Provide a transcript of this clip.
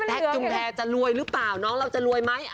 จุมแพรจะรวยหรือเปล่าน้องเราจะรวยไหม